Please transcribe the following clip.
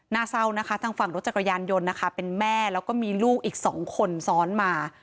เศร้านะคะทางฝั่งรถจักรยานยนต์นะคะเป็นแม่แล้วก็มีลูกอีกสองคนซ้อนมา